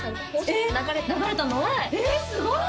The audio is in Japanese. えすごい！